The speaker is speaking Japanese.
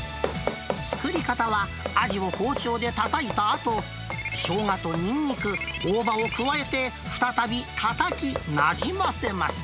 作り方はアジを包丁でたたいたあと、ショウガとニンニク、大葉を加えて、再びたたき、なじませます。